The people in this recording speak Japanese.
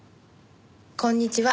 こんにちは。